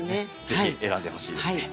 是非選んでほしいですね。